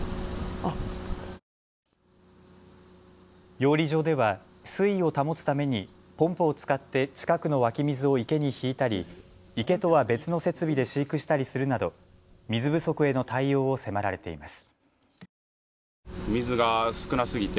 養り場では水位を保つためにポンプを使って近くの湧き水を池に引いたり、池とは別の設備で飼育したりするなど水不足への対応を迫られています。